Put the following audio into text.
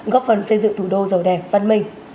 góp phần xây dựng thủ đô giàu đẹp văn minh